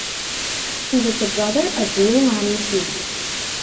He was the brother of Giovanni Ceva.